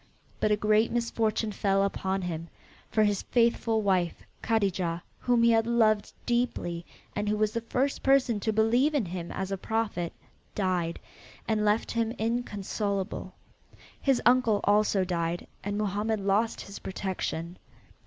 But a great misfortune fell upon him, for his faithful wife Kadijah, whom he had loved deeply, and who was the first person to believe in him as a prophet, died, and left him inconsolable. His uncle also died, and Mohammed lost his protection.